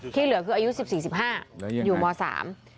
ที่เหลือคืออายุ๑๔๑๕อยู่ม๓